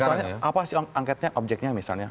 misalnya apa sih angketnya objeknya misalnya